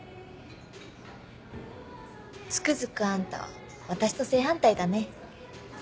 つくづくあんたは私と正反対だね。